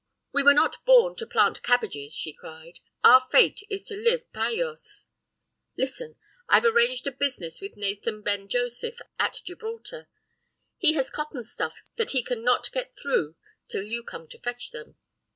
"'We were not born to plant cabbages,' she cried. 'Our fate is to live payllos! Listen: I've arranged a business with Nathan Ben Joseph at Gibraltar. He has cotton stuffs that he can not get through till you come to fetch them.